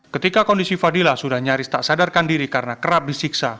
ketika kondisi fadila sudah nyaris tak sadarkan diri karena kerap disiksa